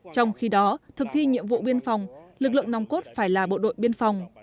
trong khi đó thực thi nhiệm vụ biên phòng lực lượng nòng cốt phải là bộ đội biên phòng